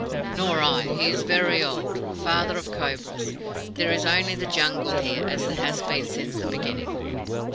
"Nor I. He is very old. Father of Cobras, there is only the Jungle here, as it has been since the beginning."